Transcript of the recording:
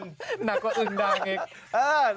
หนักกว่าอึงดังอีก